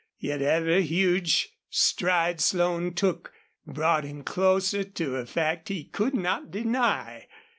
Yet every huge stride Slone took brought him closer to a fact he could not deny.